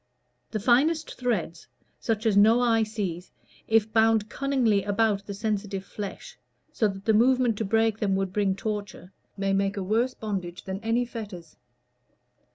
The finest threads, such as no eye sees, if bound cunningly about the sensitive flesh, so that the movement to break them would bring torture, may make a worse bondage than any fetters.